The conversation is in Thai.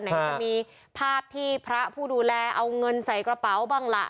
ไหนจะมีภาพที่พระผู้ดูแลเอาเงินใส่กระเป๋าบ้างล่ะ